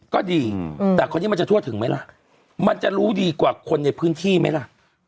ก็ดีแต่คนนี้มันจะทั่วถึงไหมล่ะมันจะรู้ดีกว่าคนในพื้นที่ไหมล่ะ